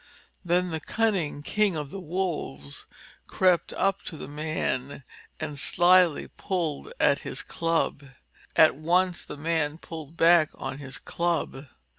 Then the cunning King of the Wolves crept up to the man and slyly pulled at his club. At once the man pulled back on his club.